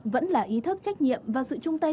vẫn là ý thức trách nhiệm và sự chung tay